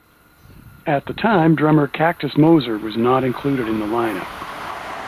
At the time, drummer Cactus Moser was not included in the lineup.